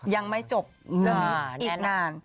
ยังไม่จบเรื่องนี้อีกนาน